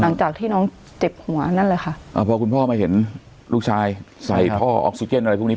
หลังจากที่น้องเจ็บหัวนั่นแหละค่ะอ่าพอคุณพ่อมาเห็นลูกชายใส่ท่อออกซิเจนอะไรพวกนี้